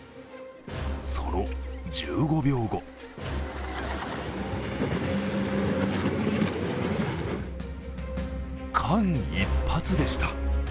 その１５秒後間一髪でした。